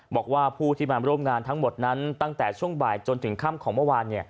บอกว่าผู้ที่มาร่วมงานทั้งหมดนั้นตั้งแต่ช่วงบ่ายจนถึงค่ำของเมื่อวาน